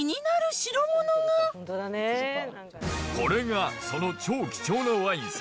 これがその超貴重なワインさ。